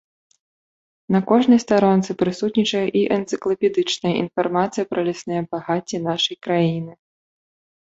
На кожнай старонцы прысутнічае і энцыклапедычная інфармацыя пра лясныя багацці нашай краіны.